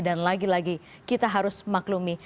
dan lagi lagi kita harus maklumi